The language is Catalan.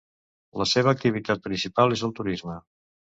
La seva activitat principal és el turisme.